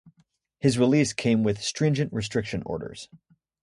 His release came with stringent restriction orders.